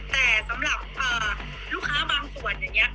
แต่สำหรับลูกค้าบางส่วนอย่างนี้